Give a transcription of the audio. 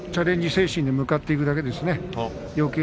精神で向かっていくだけですね。